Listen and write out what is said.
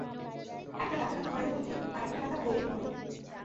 একটা ডাকাত ঘরের মধ্যে, আর-একটা ডাকাত গলির মোড়ে।